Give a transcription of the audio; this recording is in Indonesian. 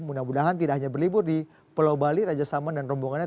mudah mudahan tidak hanya berlibur di pulau bali raja salman dan rombongannya